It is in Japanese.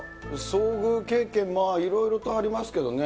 遭遇経験、まあいろいろとありますけどね。